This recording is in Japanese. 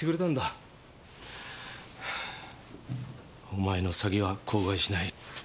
お前の詐欺は口外しないって。